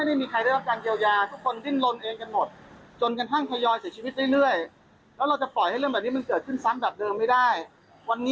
ในกรุ๊ปที่แจ้งความจำนวมมา